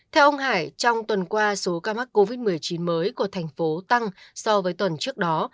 theo ông hải trong tuần qua số ca mắc covid một mươi chín mới của thành phố tăng so với tuần trước đó